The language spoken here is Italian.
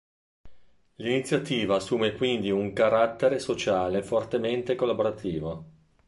L'iniziativa assume quindi un carattere sociale fortemente collaborativo.